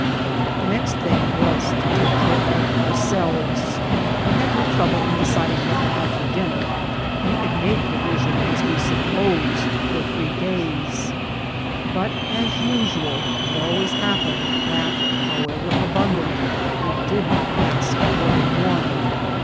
The next thing was to take care of ourselves. We had no trouble in deciding what to have for dinner* PKIMITITB COOKSRT. SOf Wehadmade provision, as we 8iip|iosed|£or three days] but, as usual, it always happened that, howeTer abim^ dant, it did not kst more than one.